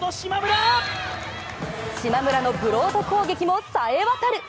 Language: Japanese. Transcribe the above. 島村のブロード攻撃もさえ渡る！